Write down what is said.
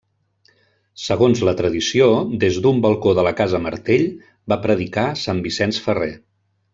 Segons la tradició, des d'un balcó de la casa Martell va predicar Sant Vicenç Ferrer.